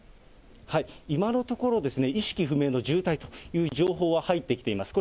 今のところ、意識不明の重体という情報は入ってきています。